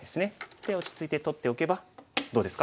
で落ち着いて取っておけばどうですか？